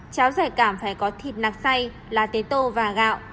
cháo giải cảm phải có thịt nạc xay lá tế tô và gạo